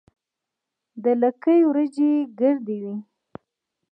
د لکۍ وریجې ګردې وي.